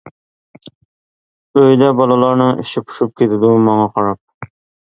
ئۆيدە باللارنىڭ ئىچى پۇشۇپ كېتىدۇ ماڭا قاراپ.